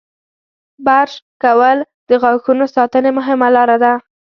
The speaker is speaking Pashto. • برش کول د غاښونو ساتنې مهمه لاره ده.